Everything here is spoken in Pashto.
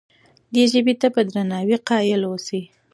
دې ژبې ته په درناوي قایل اوسئ.